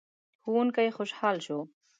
ښوونکی خوشحال شو.